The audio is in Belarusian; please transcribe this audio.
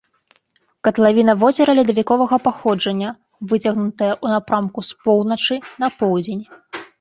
Катлавіна возера ледавіковага паходжання, выцягнутая ў напрамку з поўначы на поўдзень.